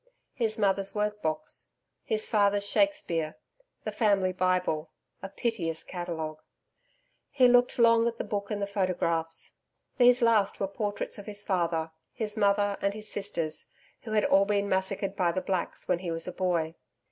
His mother's workbox; his father's SHAKESPEARE; the family Bible a piteous catalogue. He looked long at the book and the photographs. These last were portraits of his father, his mother and his sisters, who had all been massacred by the Blacks, when he was a boy.